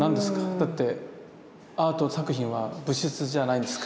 だってアート作品は物質じゃないんですか？